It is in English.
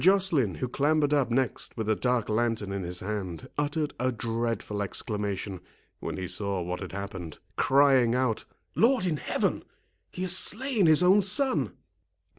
Joceline, who clambered up next with a dark lantern in his hand, uttered a dreadful exclamation, when he saw what had happened, crying out, "Lord in heaven, he has slain his own son!"